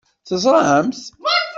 Teẓṛamt-t?